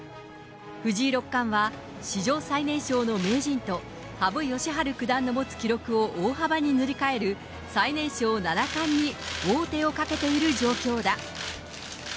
藤井六冠は史上最年少の名人と、羽生善治九段の持つ記録を大幅に塗り替える、最年少七冠に王手をかけている状況だ。